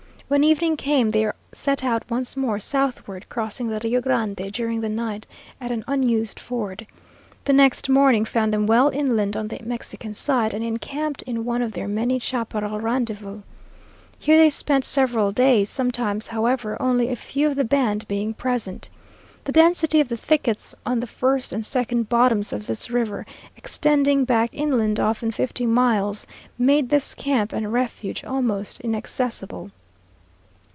When evening came they set out once more southward, crossing the Rio Grande during the night at an unused ford. The next morning found them well inland on the Mexican side, and encamped in one of their many chaparral rendezvous. Here they spent several days, sometimes, however, only a few of the band being present. The density of the thickets on the first and second bottoms of this river, extending back inland often fifty miles, made this camp and refuge almost inaccessible.